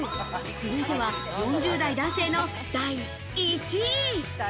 続いては４０代男性の第１位。